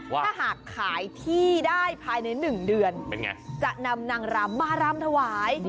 ว่าถ้าหากขายที่ได้ภายใน๑เดือนเป็นไงจะนำนางรำมารำถวาย